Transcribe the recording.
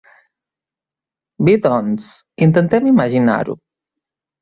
Bé, doncs, intentem imaginar-ho.